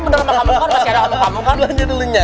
saya gak mau tapi beneran sama kamu kan masih ada orangnya